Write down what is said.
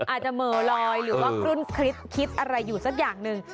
อาจจะเหม่อลอยหรือว่ากลุ้นคลิปอะไรอยู่สักอย่างนึง